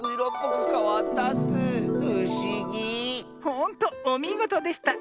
ほんとおみごとでした。